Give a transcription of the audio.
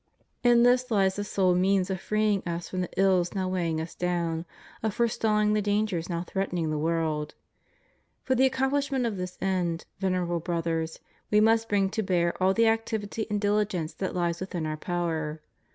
In this hes the sole means of freeing us from the ills now weighing us down, of forestalling the dangers now threatening the world. For the accom plishment of this end, Venerable Brothers, We must bring to bear all the activity and diligence that lie within Our power.